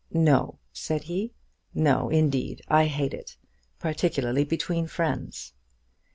"No," said he; "no indeed. I hate it, particularly between friends.